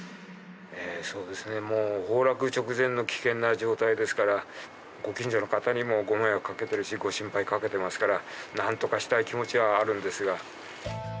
そうですねもう崩落直前の危険な状態ですからご近所の方にもご迷惑かけてるしご心配かけてますからなんとかしたい気持ちはあるんですが。